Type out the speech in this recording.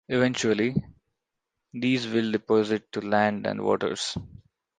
Eventually, these will deposit to land and waters.